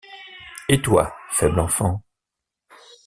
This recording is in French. Et toi, faible enfant!